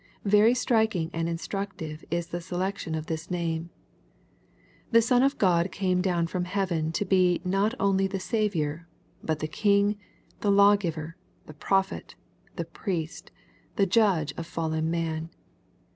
Very striking and instructive is the selection of this name. The Son of God came down from heaven to be not only the Saviour, but the King, the Lawgiver, the Prophet, the Priest, the Judge of fallen man.